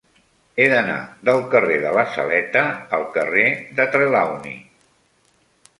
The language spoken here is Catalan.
He d'anar del carrer de la Saleta al carrer de Trelawny.